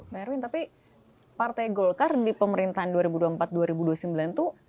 pak erwin tapi partai golkar di pemerintahan dua ribu dua puluh empat dua ribu dua puluh sembilan itu